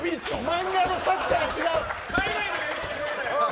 漫画の作者が違う。